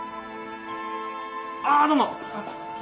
あどうも！